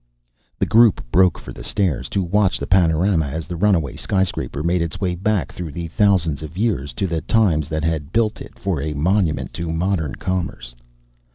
The group broke for the stairs, to watch the panorama as the runaway sky scraper made its way back through the thousands of years to the times that had built it for a monument to modern commerce.